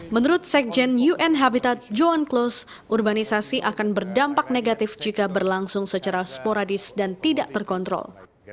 menurut sekjen un habitat john close urbanisasi akan berdampak negatif jika berlangsung secara sporadis dan tidak terkontrol